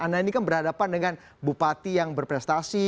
anda ini kan berhadapan dengan bupati yang berprestasi